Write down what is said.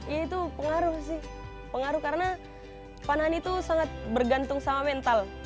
ya itu pengaruh sih pengaruh karena panahan itu sangat bergantung sama mental